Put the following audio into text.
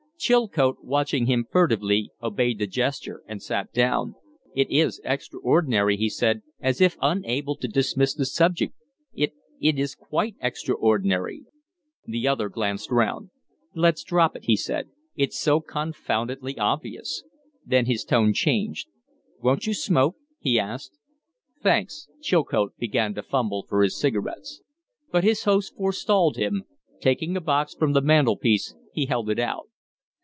Chilcote, watching him furtively, obeyed the gesture and sat down. "It is extraordinary!" he said, as if unable to dismiss the subject. "It it is quite extraordinary!" The other glanced round. "Let's drop it," he said. "It's so confoundedly obvious." Then his tone changed. "Won't you smoke?" he asked. "Thanks." Chilcote began to fumble for his cigarettes. But his host forestalled him. Taking a box from the mantel piece, he held it out.